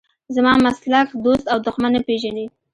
زما مسلک دوست او دښمن نه پېژني.